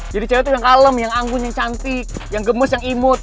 jadi cewe tuh yang kalem yang anggun yang cantik yang gemes yang imut